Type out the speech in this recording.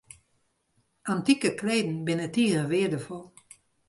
Antike kleden binne tige weardefol.